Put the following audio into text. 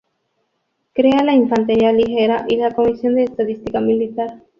Crea la infantería ligera y la comisión de estadística militar.